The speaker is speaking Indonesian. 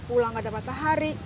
pulang gak ada matahari